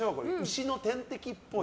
牛の天敵っぽい。